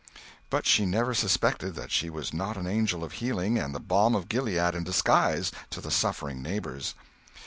But she never suspected that she was not an angel of healing and the balm of Gilead in disguise, to the suffering neighbors.